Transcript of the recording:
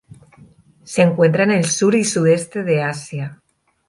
Se encuentra en el sur y Sudeste de Asia.